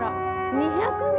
２００人！